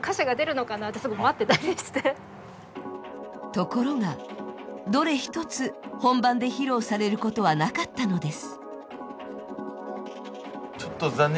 ところが、どれ一つ本番で披露されることはなかったのです。